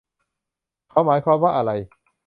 เขาหมายความว่าอะไร